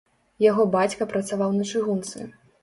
Яго бацька працаваў на чыгунцы.